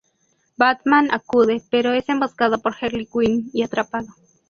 Batman acude, pero es emboscado por Harley Quinn y atrapado.